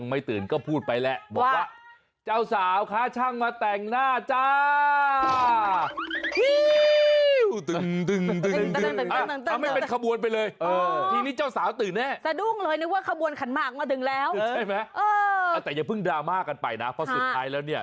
ปลุกเจ้าสาวนี่แหละบอกช่างมาถึงมาบ้านแล้ว